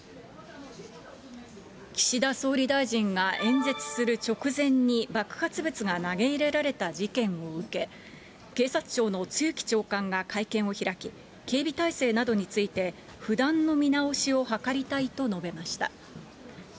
岸田総理大臣が演説する直前に爆発物が投げ入れられた事件を受け、警察庁の露木長官が会見を開き、警備体制などについて、不断の見直しを図りたいと述べました。